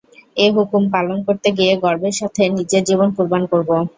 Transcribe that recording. এ হুকুম পালন করতে গিয়ে গর্বের সাথে নিজের জীবন কুরবান করব।